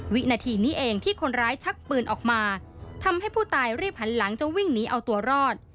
วินาทีนี้เองที่คนร้ายชักปืนออกมาทำให้ผู้ตายรีบหันหลังจะวิ่งหนีเอาตัวรอด